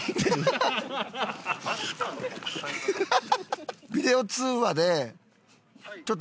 ハハハハ！